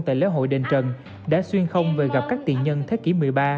tại lễ hội đền trần đã xuyên không về gặp các tiện nhân thế kỷ một mươi ba